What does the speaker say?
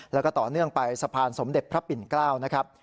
แล้วก็ต่อเนื่องไปสะพานสมเด็จพระปิ่นเกล้านะครับ